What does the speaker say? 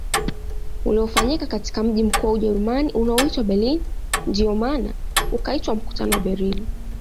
Uliofanyika katika mji mkuu wa Ujerumani unaoitwa Berlin ndio maana ukaitwa mkutano wa Berlini